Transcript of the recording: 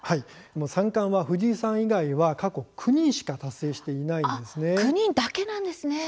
三冠は藤井さん以外は過去９人しか達成していないんです。